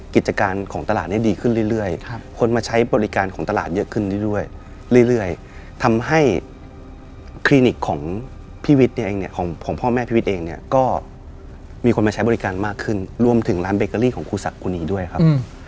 กิจการของตลาดเนี่ยดีขึ้นเรื่อยคนมาใช้บริการของตลาดเยอะขึ้นเรื่อยทำให้คลินิกของพี่วิทย์เนี่ยเองเนี่ยของพ่อแม่พี่วิทย์เองเนี่ยก็มีคนมาใช้บริการมากขึ้นรวมถึงร้านเบเกอรี่ของครูสักครูนีด้วยครับ